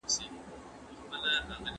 دا تعلیمي طریقه اغېزمنه ده.